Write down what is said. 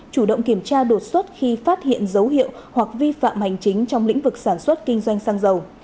chủ động kiểm tra đột xuất khi phát hiện dấu hiệu hoặc vi phạm hành chính trong lĩnh vực sản xuất kinh doanh xăng dầu